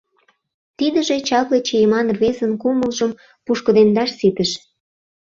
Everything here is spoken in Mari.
Тидыже чапле чиеман рвезын кумылжым пушкыдемдаш ситыш.